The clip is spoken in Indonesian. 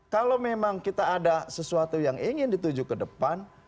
kalau memang kita ada sesuatu yang ingin dituju ke depan